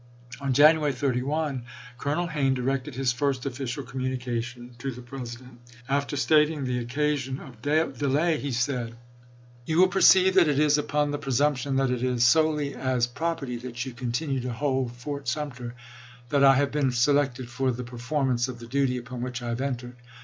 On January 31 Colonel Hayne directed his first official communica tion to the President. After stating the occasion of delay, he said : THE SUMTEB AND PICKENS TRUCE 171 You will perceive that it is upon the presumption that it chap. xi. is solely as property that you continue to hold Fort Sum ter, that I have been selected for the performance of the duty upon which I have entered.